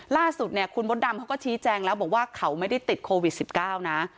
ล่าสุดเนี่ยคุณมดดำเขาก็ชี้แจงแล้วบอกว่าเขาไม่ได้ติดโควิด๑๙นะ